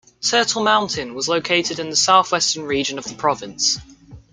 Turtle Mountain was located in the southwestern region of the province.